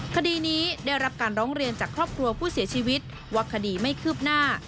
คดีนี้ได้รับการร้องเรียนจากครอบครัวผู้เสียชีวิตว่าคดีไม่คืบหน้า